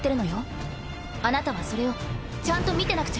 あなたはそれをちゃんと見てなくちゃいけないはずよ。